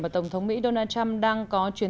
mà tổng thống mỹ donald trump đăng